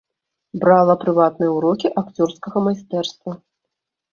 Брала прыватныя ўрокі акцёрскага майстэрства.